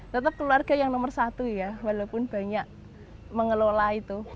tetap keluarga yang nomor satu ya walaupun banyak mengelola itu